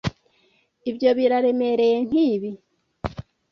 Ibyo biraremereye nkibi?